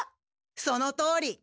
そのとおり。